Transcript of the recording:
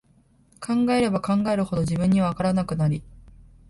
考えれば考えるほど、自分には、わからなくなり、